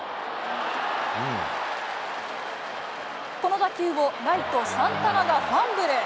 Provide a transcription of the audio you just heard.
この打球をライト、サンタナがファンブル。